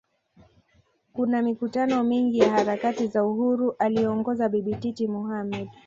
Kuna mikutano mingi ya harakati za Uhuru aliyoongoza Bibi Titi Mohammed